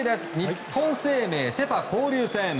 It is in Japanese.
日本生命セ・パ交流戦。